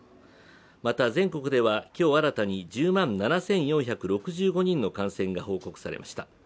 また全国では、今日新たに１０万７４６５人の感染が報告されました。